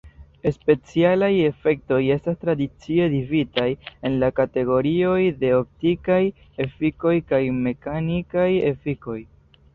Specialaj efektoj estas tradicie dividitaj en la kategorioj de optikaj efikoj kaj mekanikaj efikoj.